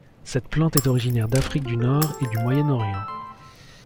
Cette plante est originaire d’Afrique du Nord et du Moyen-Orient.